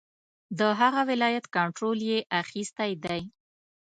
د هغه ولایت کنټرول یې اخیستی دی.